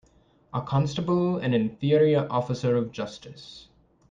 A constable an inferior officer of justice.